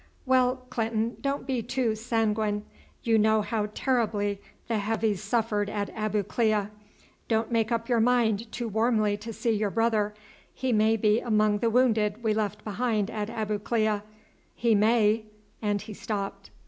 "Well, Clinton, don't be too sanguine. You know how terribly the Heavies suffered at Abu Klea. Don't make up your mind too warmly to see your brother; he may be among the wounded we left behind at Abu Klea; he may " and he stopped.